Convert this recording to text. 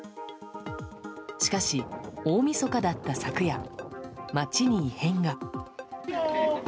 しかし、大みそかだった昨夜街に異変が。